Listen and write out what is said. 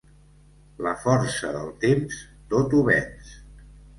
La força del temps tot ho venç.